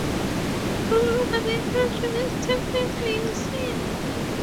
All over the country these temples may be seen.